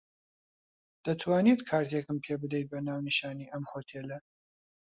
دەتوانیت کارتێکم پێ بدەیت بە ناونیشانی ئەم هۆتێلە.